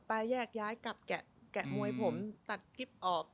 แยกย้ายกลับแกะมวยผมตัดกิ๊บออก